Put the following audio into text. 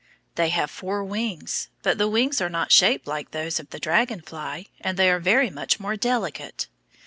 They have four wings, but the wings are not shaped like those of the dragon fly, and they are very much more delicate.